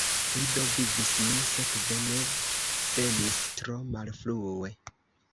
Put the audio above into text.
Li do vivis; mi sekve ne venis tro malfrue.